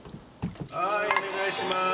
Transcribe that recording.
はいお願いします。